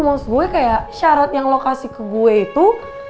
maksud gue kayak syarat yang lokasi ke gue itu